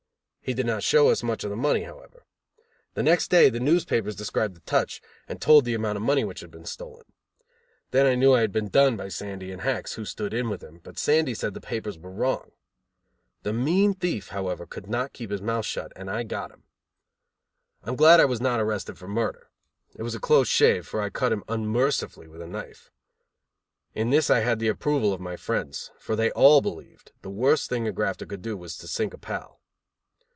He did not show us much of the money, however. The next day the newspapers described the "touch," and told the amount of money which had been stolen. Then I knew I had been "done" by Sandy and Hacks, who stood in with him, but Sandy said the papers were wrong. The mean thief, however, could not keep his mouth shut, and I got him. I am glad I was not arrested for murder. It was a close shave, for I cut him unmercifully with a knife. In this I had the approval of my friends, for they all believed the worst thing a grafter could do was to sink a pal.